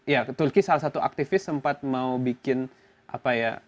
ya turki salah satu aktivis sempat mau bikin apa ya